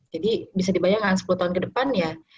jadi bisa dibayangkan sepuluh tahun ke depan